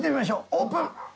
オープン！